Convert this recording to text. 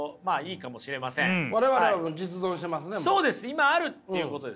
今あるっていうことですよね。